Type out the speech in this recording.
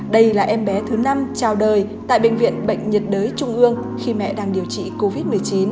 đây là em bé thứ năm trao đời tại bệnh viện bệnh nhiệt đới trung ương khi mẹ đang điều trị covid một mươi chín